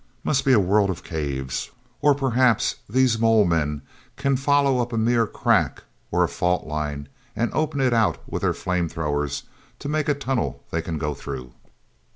Must be a world of caves. Or perhaps these mole men can follow up a mere crack or a fault line and open it out with their flame throwers to make a tunnel they can go through."